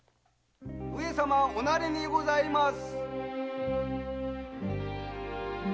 ・上様おなりにございます。